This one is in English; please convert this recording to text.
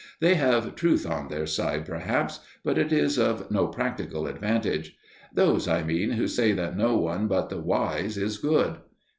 They have truth on their side, perhaps, but it is of no practical advantage. Those, I mean, who say that no one but the "wise" is "good."